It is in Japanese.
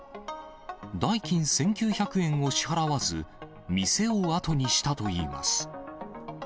代金１９００円を支払わず、店を後にしたといいます。